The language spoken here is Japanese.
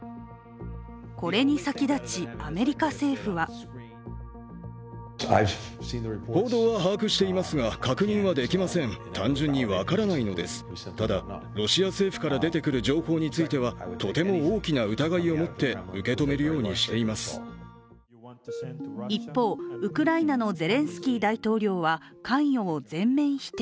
これに先立ち、アメリカ政府は一方、ウクライナのゼレンスキー大統領は関与を全面否定。